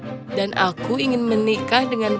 jika mereka menarik memandang aku